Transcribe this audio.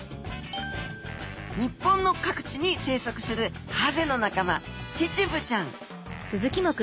日本の各地に生息するハゼの仲間チチブちゃん。